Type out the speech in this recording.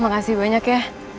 makasih banyak ya